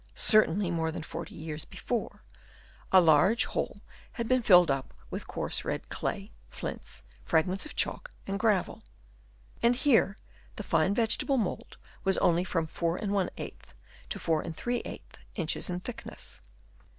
certainly more than forty years before, a large hole had been filled up with coarse red clay, flints, fragments of chalk, and gravel ; and here the fine vegetable mould was only from 4 A to 4 | inches in thickness.